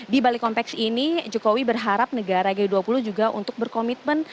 di balik kompleks ini jokowi berharap negara g dua puluh juga untuk berkomitmen